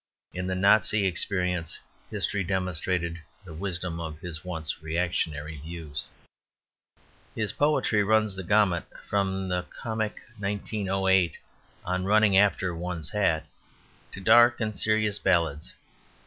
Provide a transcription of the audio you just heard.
In the Nazi experience, history demonstrated the wisdom of his once "reactionary" views. His poetry runs the gamut from the comic 1908 "On Running After One's Hat" to dark and serious ballads.